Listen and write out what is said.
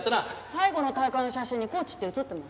最後の大会の写真にコーチって写ってます？